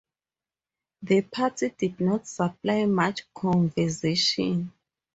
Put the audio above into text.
The party did not supply much conversation.